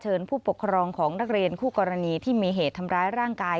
ผู้ปกครองของนักเรียนคู่กรณีที่มีเหตุทำร้ายร่างกาย